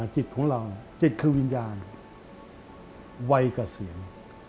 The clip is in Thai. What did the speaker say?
จิตของเราจิตคือวิญญาณวัยเกษียณ